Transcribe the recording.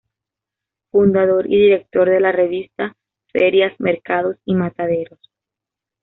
Fundador y director de la revista "Ferias, mercados y mataderos".